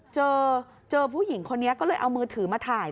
เจอเจอผู้หญิงคนนี้ก็เลยเอามือถือมาถ่าย